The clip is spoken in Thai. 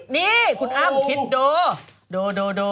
นี่คุณอ้ำคิดดู